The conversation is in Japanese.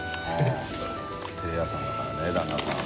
照れ屋さんだからね旦那さん。